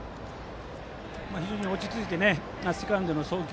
非常に落ち着いてセカンドへの送球。